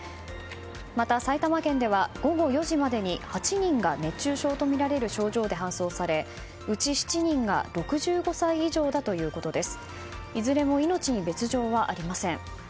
また、埼玉県では午後４時までに８人が熱中症とみられる症状で搬送されうち７人が６５歳以上だということです。